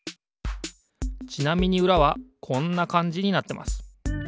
ちなみにうらはこんなかんじになってます。